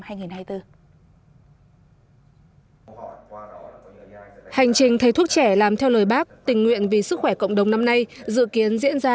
hành trình thầy thuốc trẻ làm theo lời bác tình nguyện vì sức khỏe cộng đồng năm nay dự kiến diễn ra